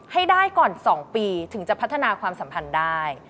ให้ได้ก่อน๒ปีถึงจะพัฒนาความสัมพันธ์ได้